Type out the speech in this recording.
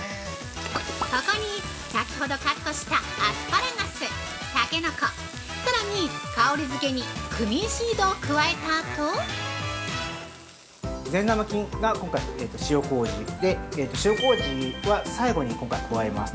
◆ここに先ほどカットしたアスパラガス、たけのこ、さらに香りづけにクミンシードを加えたあと◆善玉菌が、今回、塩こうじで塩こうじは最後に今回加えます。